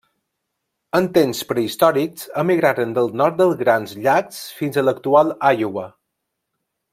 En temps prehistòrics emigraren del Nord dels Grans Llacs fins a l'actual Iowa.